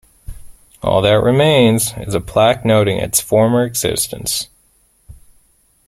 All that remains is a plaque noting its former existence.